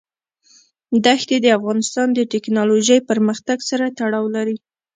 دښتې د افغانستان د تکنالوژۍ پرمختګ سره تړاو لري.